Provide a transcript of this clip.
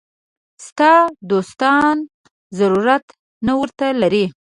ستا دوستان ضرورت نه ورته لري.